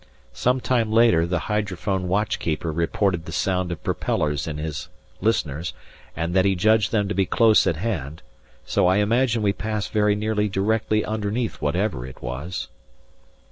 Some time later the hydrophone watchkeeper reported the sound of propellers in his listeners, and that he judged them to be close at hand, so I imagine we passed very nearly directly underneath whatever it was.